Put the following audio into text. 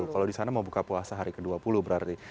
kalau di sana mau buka puasa hari ke dua puluh berarti